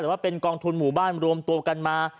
แต่ว่าเป็นกองทุนหมู่บ้านรวมตัวกันมา